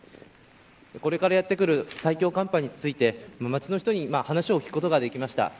これからやってくる最強寒波について街の人に話を聞くことができました。